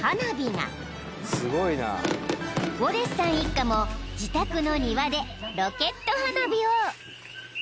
［ウォレスさん一家も自宅の庭でロケット花火を］